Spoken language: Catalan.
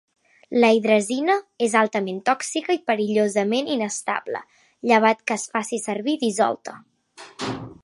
La hidrazina és altament tòxica i perillosament inestable, llevat que es faci servir dissolta.